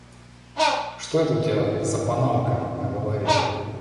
Что это у тебя за панамка на голове?